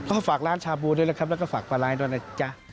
ก็ฝากร้านชาบูด้วยนะครับแล้วก็ฝากปลาร้าด้วยนะจ๊ะ